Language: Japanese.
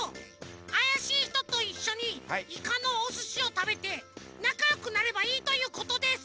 あやしいひとといっしょにいかのおすしをたべてなかよくなればいいということです！